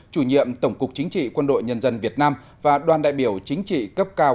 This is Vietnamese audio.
chủ nhiệm tổng cục chính trị quân đội nhân dân việt nam và đoàn đại biểu chính trị cấp cao